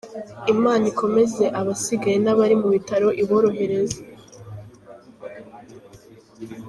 Imana ikomeze abasigaye nabari mubitaro iborohereze.